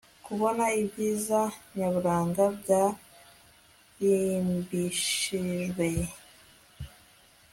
kubona ibyiza nyaburanga byarimbishijwe